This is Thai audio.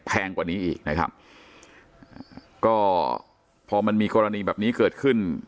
แพงกว่านี้อีกนะครับก็พอมันมีกรณีแบบนี้เกิดขึ้น